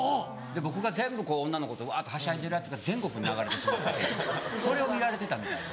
僕が女の子とはしゃいでるやつが全国に流れてしまっててそれを見られてたみたいで。